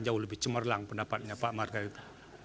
jauh lebih cemerlang pendapatnya pak margarito